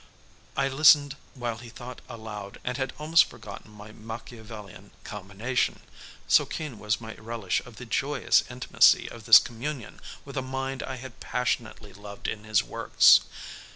I listened while he thought aloud and had almost forgotten my Machiavellian combination, so keen was my relish of the joyous intimacy of this communion with a mind I had passionately loved in his works.